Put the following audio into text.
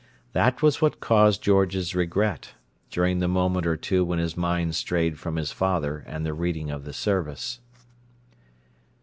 This was what caused George's regret, during the moment or two when his mind strayed from his father and the reading of the service.